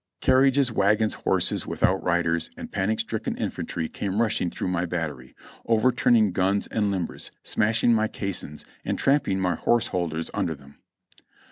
Carriages, wagons, horses with out riders, and panic stricken infantry came rushing through my battery, overturning guns and limbers, smashing my caissons, and tramping my horse holders under them."